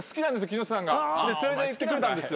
木下さんが。で連れていってくれたんですよ。